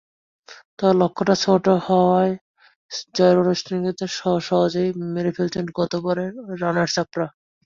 তবে লক্ষ্যটা ছোট হওয়ায় জয়ের আনুষ্ঠানিকতা সহজেই সেরে ফেলেছে গতবারের রানার্সআপরা।